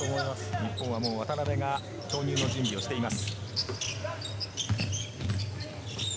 日本は渡邊が投入の準備をしています。